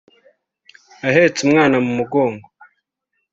ahetse umwana mu mugongo